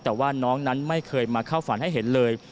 แต่ว่าน้องนั้นไม่เคยมาเข้าฝันให้เห็นเลย